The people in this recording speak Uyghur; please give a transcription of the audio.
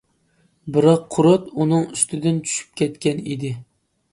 بىراق «قۇرت» ئۇنىڭ ئۈستىدىن چۈشۈپ كەتكەن ئىدى.